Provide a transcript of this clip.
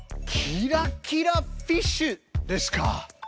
キラキラフィッシュですか。